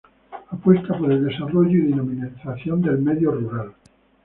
Apuesta por el desarrollo y dinamización del medio rural.